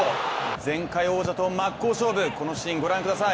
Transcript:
前回王者と真っ向勝負、このシーンご覧ください。